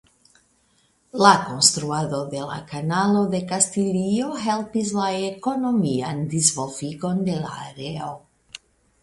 La konstruado de la Kanalo de Kastilio helpis la ekonomian disvolvigon de la areo.